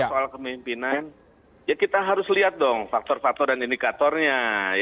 soal kemimpinan ya kita harus lihat dong faktor faktor dan indikatornya